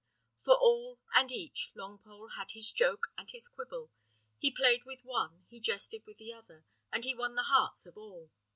For all, and each, Longpole had his joke and his quibble; he played with one, he jested with the other, and he won the hearts of all.